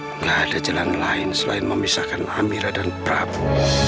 tidak ada jalan lain selain memisahkan amira dan prabu